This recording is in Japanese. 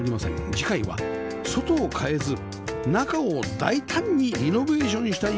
次回は外を変えず中を大胆にリノベーションした家